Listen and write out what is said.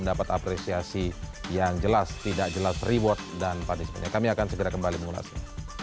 dapat apresiasi yang jelas tidak jelas reward dan punishmentnya kami akan segera kembali mengulasnya